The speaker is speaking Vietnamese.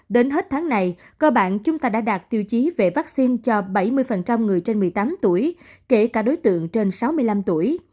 đến hết tháng này cơ bản chúng ta đã đạt tiêu chí về vaccine cho bảy mươi người trên một mươi tám tuổi kể cả đối tượng trên sáu mươi năm tuổi